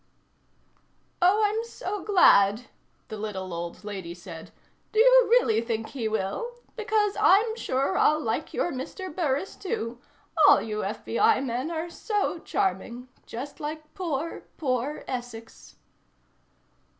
_ "Oh, I'm so glad," the little old lady said. "Do your really think he will? Because I'm sure I'll like your Mr. Burris, too. All of you FBI men are so charming. Just like poor, poor Essex."